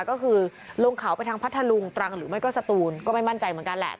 ก็คือลงเขาไปทางพัทธลุงตรังหรือไม่ก็สตูนก็ไม่มั่นใจเหมือนกันแหละ